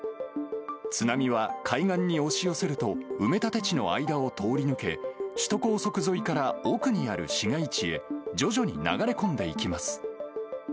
津波は海岸に押し寄せると、埋め立て地の間を通り抜け、首都高速沿いから奥にある市街地へ、徐々に流れ込んでいきます。